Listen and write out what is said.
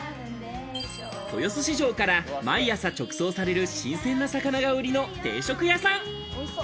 豊洲市場から毎朝直送される新鮮な魚が売りの定食屋さん。